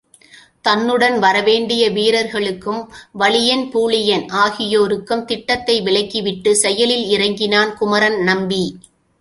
தன்னுடன் வரவேண்டிய வீரர்களுக்கும் வலியன், பூழியன் ஆகியோருக்கும் திட்டத்தை விளக்கிவிட்டுச் செயலில் இறங்கினான் குமரன் நம்பி.